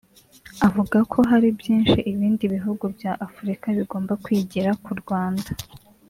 avuga ko hari byinshi ibindi bihugu bya Afurika bigomba kwigira ku Rwanda